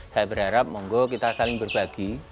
saya berharap monggo kita saling berbagi